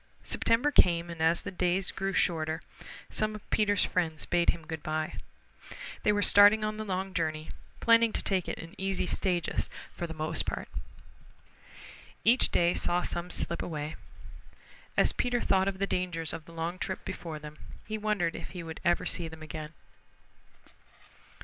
September came, and as the days grew shorter, some of Peter's friends bade him good by. They were starting on the long journey, planning to take it in easy stages for the most part. Each day saw some slip away. As Peter thought of the dangers of the long trip before them he wondered if he would ever see them again.